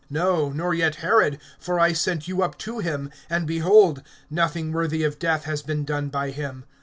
(15)No, nor yet Herod; for I sent you up to him; and behold, nothing worthy of death has been done by him.